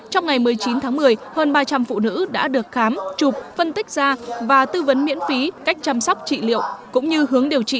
trong ngày một mươi chín tháng một mươi hơn ba trăm linh phụ nữ đã được khám chụp phân tích da và tư vấn miễn phí cách chăm sóc trị liệu cũng như hướng điều trị